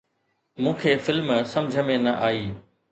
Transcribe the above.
مون کي فلم سمجھ ۾ نه آئي